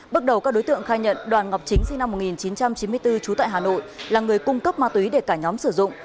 bước đầu các đối tượng khai nhận đoàn ngọc chính sinh năm một nghìn chín trăm chín mươi bốn trú tại hà nội là người cung cấp ma túy để cả nhóm sử dụng